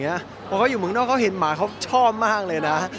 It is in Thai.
เพราะเขาอยู่เมืองนอกเขาเห็นหมาเขาชอบมากเลยนะ